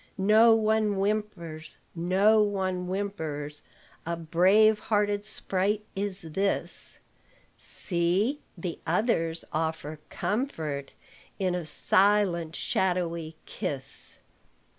No one whimpers, no one whimpers; A brave hearted sprite is this: See! the others offer comfort In a silent, shadowy kiss.